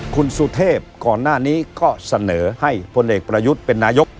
คุณสุเทพก่อนหน้านี้ก็เสนอให้พลเอกประยุทธ์เป็นนายก